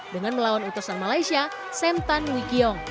dengan melawan utusan malaysia sam tan wikiong